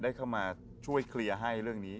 ได้เข้ามาช่วยเคลียร์ให้เรื่องนี้